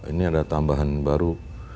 ini ada tambahan baru